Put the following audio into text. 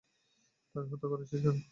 তাকে হত্যা করেছিস কেন?